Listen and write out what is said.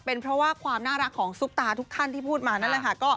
เป็นเพราะว่าความน่ารักของซุปตาทุกท่านที่พูดมานั่นแหละค่ะ